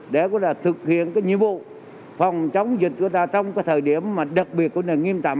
để thực hiện nhiệm vụ phòng chống dịch trong thời điểm đặc biệt nghiêm tạm